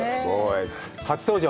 初登場。